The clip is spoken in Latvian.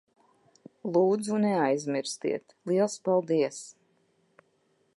Lūdzu, neaizmirstiet. Liels paldies.